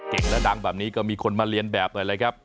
เก่งและดังแบบนี้ก็มีคนมาเรียนแบบเลยนะครับ